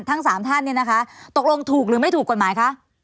ทั้งสามท่านเนี่ยนะคะตกลงถูกหรือไม่ถูกกฎหมายคะ